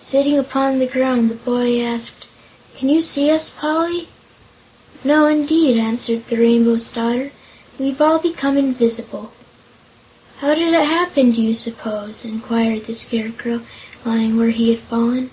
Sitting upon the ground, the boy asked: "Can you see us, Poly?" "No, indeed," answered the Rainbow's Daughter; "we've all become invisible." "How did it happen, do you suppose?" inquired the Scarecrow, lying where he had fallen.